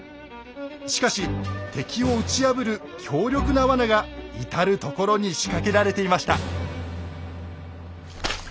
しかし敵を打ち破る強力な罠が至る所に仕掛けられていました。